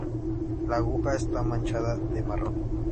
La aguja está manchada de marrón.